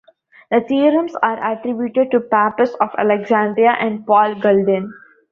The theorems are attributed to Pappus of Alexandria and Paul Guldin.